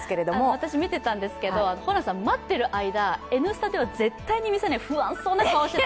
私見てたんですけど、ホランさん待ってる間、「Ｎスタ」では絶対見せない不安そうな顔してた。